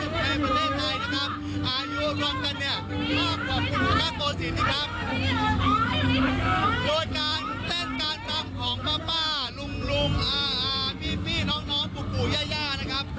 สำหรับนักท่องเที่ยวท่านใจที่ต้องการมาเที่ยวที่สวัสดิ์ขอนแก่นนั้นก็สามารถเดินข่าวมาได้นะครับ